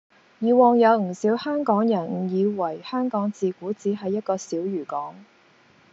以往有唔少香港人誤以為香港自古只係一個小漁港